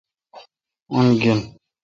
اؙن گین۔